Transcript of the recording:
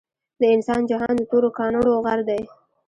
د انسان جهان د تورو کانړو غر دے